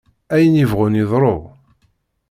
Ayen yebɣun yeḍru!